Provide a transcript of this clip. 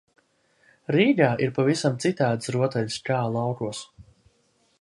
Rīgā ir pavisam citādas rotaļas kā laukos.